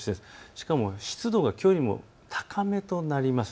しかも湿度がきょうよりも高めとなります。